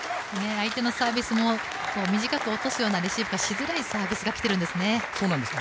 相手のサービスも短く落とすようなレシーブがしづらいサービスが来てるんですね。